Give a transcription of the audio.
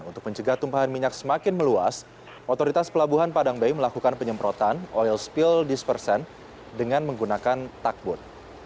untuk mencegah tumpahan minyak semakin meluas otoritas pelabuhan padang bayi melakukan penyemprotan oil spill dispersent dengan menggunakan takbut